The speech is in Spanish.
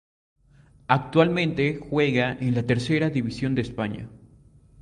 Actualmente juega en la Tercera División de España.